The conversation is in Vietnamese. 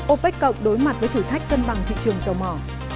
opec cộng đối mặt với thử thách cân bằng thị trường dầu mỏ